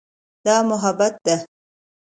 دا محبت ده.